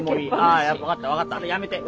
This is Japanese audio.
あ分かった分かったやめて。